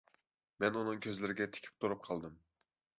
مەن ئۇنىڭ كۆزلىرىگە تىكىپ تۇرۇپ قالدىم.